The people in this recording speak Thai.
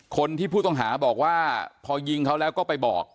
คนที่ผู้ต้องหาบอกว่าพอยิงเขาแล้วก็ไปบอก